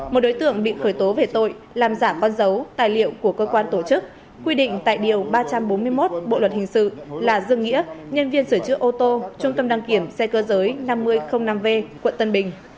một đối tượng bị khởi tố về tội làm giả con dấu tài liệu của cơ quan tổ chức quy định tại điều ba trăm bốn mươi một bộ luật hình sự là dương nghĩa nhân viên sửa chữa ô tô trung tâm đăng kiểm xe cơ giới năm nghìn năm v quận tân bình